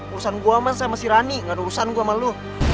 urusan gue emang sama si rani ga ada urusan gue sama lu